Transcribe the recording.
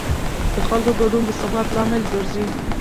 د خلکو ګډون د ثبات لامل ګرځي